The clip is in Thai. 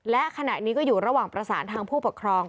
และขณะนี้ก็อยู่ระหว่างประสานทางผู้ปกครอง